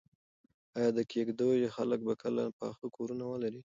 ایا د کيږديو خلک به کله پاخه کورونه ولري؟